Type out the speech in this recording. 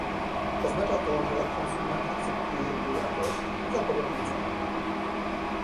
Oznacza to, że konsument akceptuje jego jakość za podaną cenę